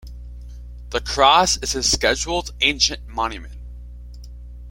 The cross is a Scheduled Ancient Monument.